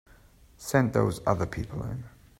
Send those other people in.